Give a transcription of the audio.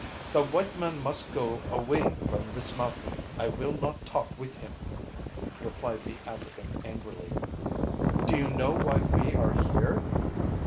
"The white man must go away from this mountain. I will not talk with him," replied the African angrily. "Do you know why we are here?"